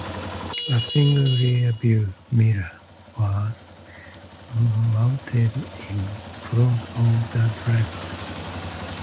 A single rear view mirror was mounted in front of the driver.